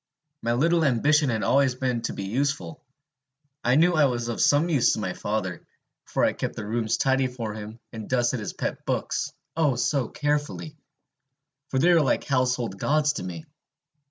My little ambition had always been to be useful. I knew I was of some use to my father; for I kept the rooms tidy for him, and dusted his pet books oh, so carefully! for they were like household gods to me.